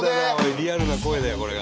リアルな声だよこれが。